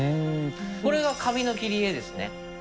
これが紙の切り絵ですね。